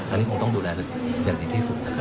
อันนี้คงต้องดูแลอย่างนี้ที่สุด